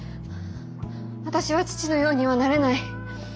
私は父のようにはなれない。